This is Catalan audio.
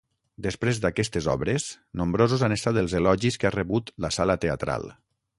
Després d'aquestes obres, nombrosos han estat els elogis que ha rebut la sala teatral.